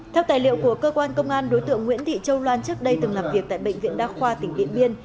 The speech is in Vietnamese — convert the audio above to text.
theo tài liệu của cơ quan công an đối tượng nguyễn thị châu loan trước đây từng làm việc tại bệnh viện đa khoa tỉnh điện biên